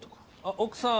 奥さん！